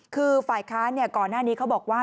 คือฝ่ายค้านก่อนหน้านี้เขาบอกว่า